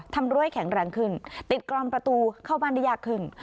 รั้วให้แข็งแรงขึ้นติดกรอมประตูเข้าบ้านได้ยากขึ้น